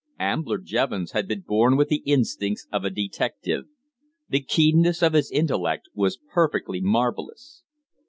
Ambler Jevons had been born with the instincts of a detective. The keenness of his intellect was perfectly marvellous.